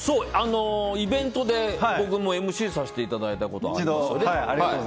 イベントで僕もＭＣをさせていただいたことあります。